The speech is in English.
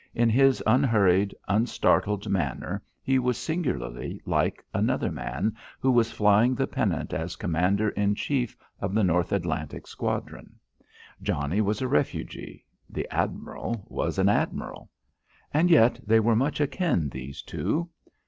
In his unhurried, unstartled manner he was singularly like another man who was flying the pennant as commander in chief of the North Atlantic Squadron. Johnnie was a refugee; the admiral was an admiral. And yet they were much akin, these two.